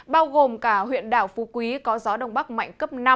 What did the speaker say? bao gồm cả huyện đảo phú quý có gió đông bắc mạnh cấp năm